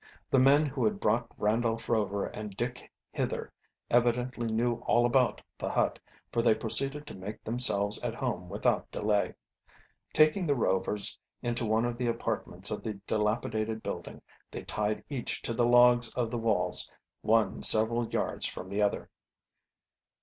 The men who had brought Randolph Rover and Dick hither evidently knew all about the hut, for they proceeded to make themselves at home without delay. Taking the Rovers into one of the apartments of the dilapidated building they tied each to the logs of the walls, one several yards from the other.